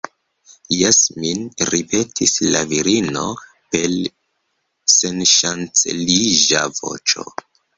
Jes, min, ripetis la virino per senŝanceliĝa voĉo.